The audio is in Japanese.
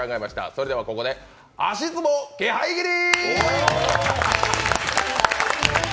それではここで、足ツボ気配斬り！